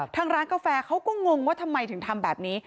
ทางร้านกาแฟเขาก็งงว่าทำไมถึงทำแบบนี้